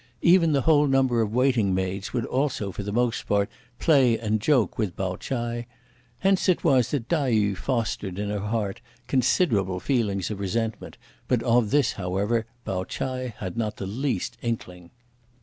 Even the whole number of waiting maids would also for the most part, play and joke with Pao ch'ai. Hence it was that Tai yü fostered, in her heart, considerable feelings of resentment, but of this however Pao ch'ai had not the least inkling.